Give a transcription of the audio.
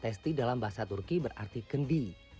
testi dalam bahasa turki berarti kendi